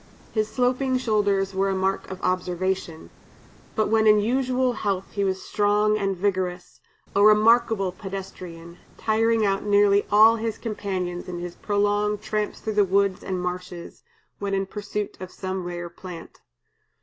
His sloping shoulders were a mark of observation. But when in usual health he was strong and vigorous, a remarkable pedestrian, tiring out nearly all his companions in his prolonged tramps through woods and marshes, when in pursuit of some rare plant.